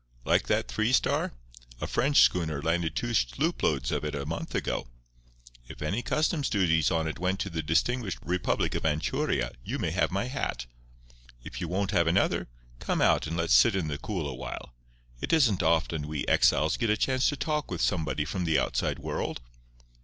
Like that Three Star? A French schooner landed two slooploads of it a month ago. If any customs duties on it went to the distinguished republic of Anchuria you may have my hat. If you won't have another, come out and let's sit in the cool a while. It isn't often we exiles get a chance to talk with somebody from the outside world."